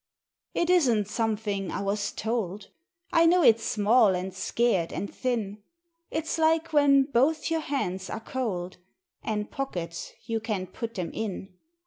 It Isn't something I was Told! I know it's small and scared and thin. It's like when both your hands are cold, And Pockets you can't put them in!